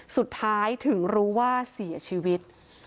สุดท้ายถึงรู้ว่าเสียชีวิต